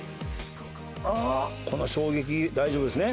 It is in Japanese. この衝撃大丈夫ですね。